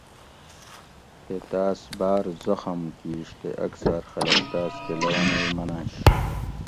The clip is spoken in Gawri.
تے تاۤس باۤر زخم کِیش تے اکثاۤر خلق تاۤس کہ لونئ مننش